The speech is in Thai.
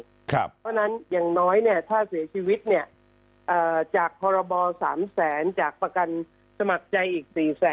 เพราะฉะนั้นอย่างน้อยถ้าเสียชีวิตจากพรบ๓แสนจากประกันสมัครใจอีก๔แสน